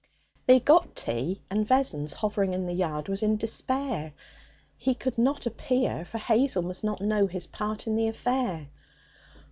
They got tea; and Vessons, hovering in the yard, was in despair. He could not appear, for Hazel must not know his part in the affair.